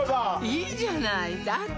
いいじゃないだって